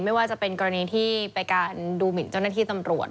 ไม่ว่าจะเป็นกรณีที่ไปการดูหมินเจ้าหน้าที่ตำรวจ